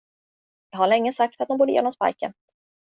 Jag har länge sagt att de borde ge honom sparken.